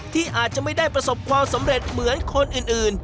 ที่อาจจะไม่ได้ประสบความสำเร็จเหมือนคนอื่น